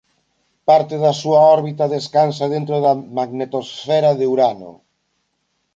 Parte da súa órbita descansa dentro da magnetosfera de Urano.